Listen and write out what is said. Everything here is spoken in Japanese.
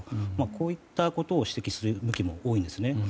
こういったことを指摘する声も多いんですね。